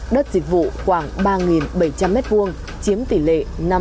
đất dịch vụ khoảng ba bảy trăm linh m hai chiếm tỷ lệ năm mươi